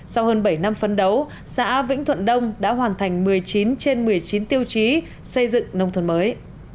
sau hơn bảy năm phấn đấu xã vĩnh thuận đông đã hoàn thành một mươi chín trên một mươi chín tiêu chí xây dựng nông thôn mới